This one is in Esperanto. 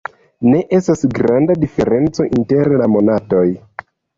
Ne estas granda diferenco inter la monatoj.